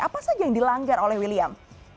apa saja yang dilanggar oleh william